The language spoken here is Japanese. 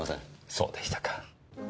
そうでしたか。